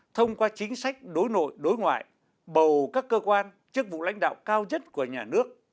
thông qua chính sách đối nội đối ngoại bầu các cơ quan chức vụ lãnh đạo cao nhất của nhà nước